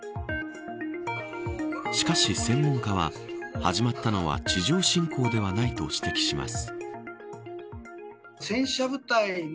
しかし専門家は始まったのは地上侵攻ではないと指摘します。